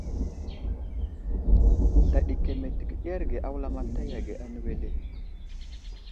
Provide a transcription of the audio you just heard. Sla ɗi keme təkeɗerge a wulamataya ane wele.